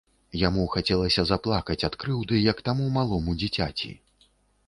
Яму хацелася заплакаць ад крыўды, як таму малому дзіцяці.